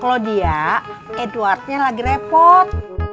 kalau dia edwardnya lagi repot